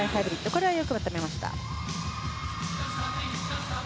これはよくまとめました。